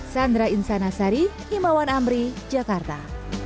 sandra insanasari himawan amri jakarta